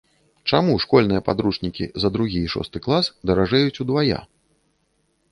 Чаму школьныя падручнікі за другі і шосты клас даражэюць удвая?